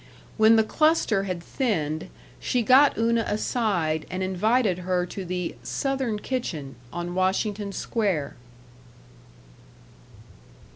When the cluster had thinned, she got Una aside and invited her to the "Southern Kitchen," on Washington Square.